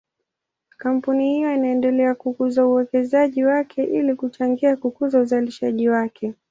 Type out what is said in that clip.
Kampuni hiyo inaendelea kukuza uwekezaji wake ili kuchangia kukuza uzalishaji wake.